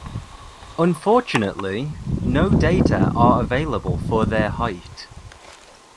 Unfortunately, no data are available for their height.